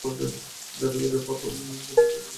জাতিভেদ-প্রথার সঙ্গে ধর্মের কোন সম্পর্ক নেই।